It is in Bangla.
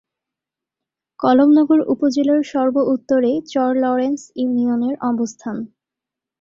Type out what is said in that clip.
কমলনগর উপজেলার সর্ব-উত্তরে চর লরেন্স ইউনিয়নের অবস্থান।